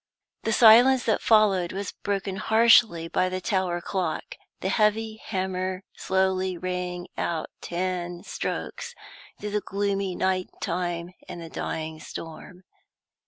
The silence that followed was broken harshly by the tower clock. The heavy hammer slowly rang out ten strokes through the gloomy night time and the dying storm.